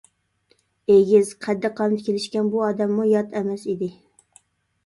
ئېگىز، قەددى-قامىتى كېلىشكەن بۇ ئادەممۇ يات ئەمەس ئىدى.